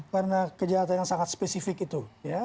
karena kejahatan yang sangat spesifik itu